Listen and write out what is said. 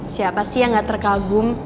siapa sih yang gak terkagum